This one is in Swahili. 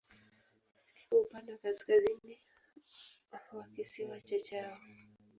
Kiko upande wa kaskazini wa kisiwa cha Hao.